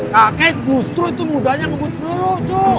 kakek gustro itu mudanya ngebut perlu cu